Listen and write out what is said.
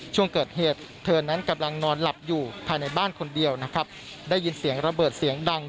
ช่วงเกิดเหตุเธอนั้นกำลังนอนหลับอยู่ภายในบ้านคนเดียวนะครับได้ยินเสียงระเบิดเสียงดัง